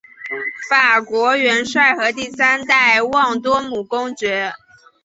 法国元帅和第三代旺多姆公爵。